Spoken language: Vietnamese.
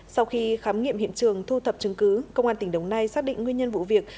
sau khi khám nghiệm hiện trường thu thập chứng cứ công an tỉnh đồng nai xác định nguyên nhân vụ việc